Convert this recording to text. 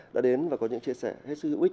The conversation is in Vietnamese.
đã đến và có những chia sẻ hết sức hữu ích